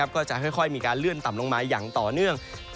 ก็จะค่อยมีการเลื่อนต่ำลงมาอย่างต่อเนื่อง